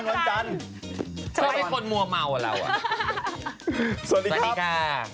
สวัสดีครับสวัสดีค่ะ